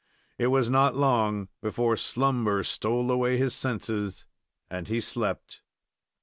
It was not long before slumber stole away his senses, and he slept.